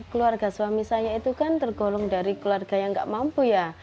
keluarga suami saya itu kan tergolong dari keluarga yang nggak mampu ya